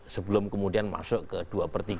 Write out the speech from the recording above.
sebelum kemudian masuk ke dua per tiga